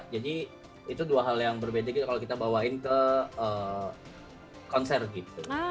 jadi itu dua hal yang berbeda gitu kalau kita bawain ke konser gitu